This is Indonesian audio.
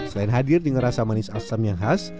selain hadir dengan rasa manis asam yang khas